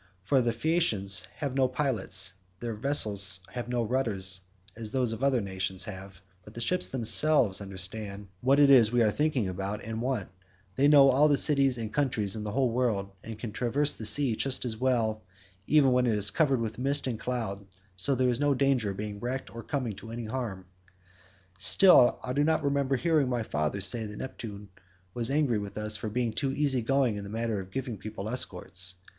For the Phaeacians have no pilots; their vessels have no rudders as those of other nations have, but the ships themselves understand what it is that we are thinking about and want; they know all the cities and countries in the whole world, and can traverse the sea just as well even when it is covered with mist and cloud, so that there is no danger of being wrecked or coming to any harm. Still I do remember hearing my father say that Neptune was angry with us for being too easy going in the matter of giving people escorts.